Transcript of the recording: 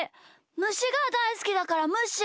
むしがだいすきだからむっしー！